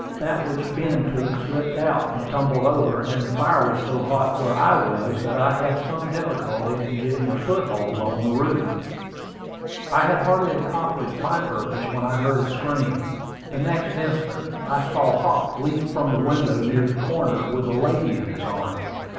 That which Ben took slipped out, and tumbled over; and the fire was so hot where I was that I had some difficulty in getting a foothold on the roof. [Illustration: SAVED FROM THE BURNING HOUSE. Page 53.] I had hardly accomplished my purpose when I heard a scream. The next instant I saw Hop leap from the window near the corner with a lady in his arms.